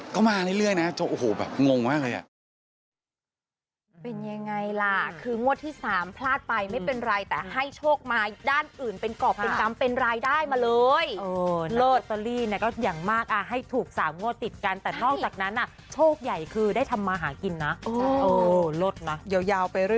เข้ามาเรื่อยนะโอ้โฮแบบงงมากเลย